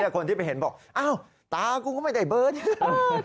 คนที่ไปเห็นบอกอ้าวตากูก็ไม่ได้เบอร์เนี่ย